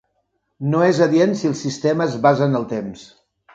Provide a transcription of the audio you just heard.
No és adient si el sistema es basa en el temps.